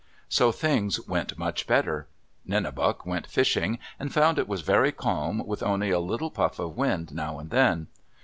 So things went much better. Nenebuc went fishing and found it was very calm, with only a little puff of wind now and then.